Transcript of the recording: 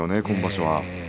今場所は。